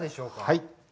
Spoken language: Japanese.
はい。